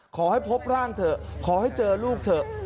ขอให้พบร่างเถอะขอให้เจอลูกเถอะ